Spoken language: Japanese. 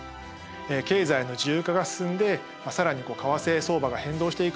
経済の自由化が進んで更に為替相場が変動していく。